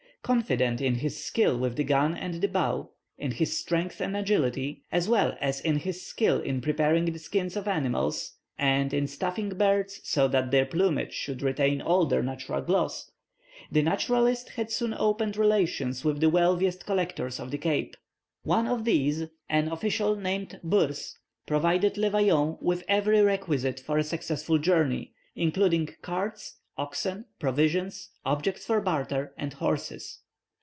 Confident in his skill with the gun and the bow, in his strength and agility, as well as in his skill in preparing the skins of animals, and in stuffing birds so that their plumage should retain all its original gloss, the naturalist had soon opened relations with the wealthiest collectors of the Cape. One of these, an official named Boers, provided Le Vaillant with every requisite for a successful journey, including carts, oxen, provisions, objects for barter, and horses.